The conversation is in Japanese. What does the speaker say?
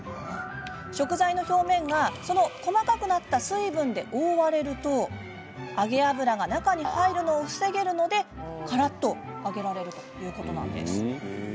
食材の表面がその細かくなった水分で覆われると揚げ油が中に入るのを防げるのでからっと揚げられるんです。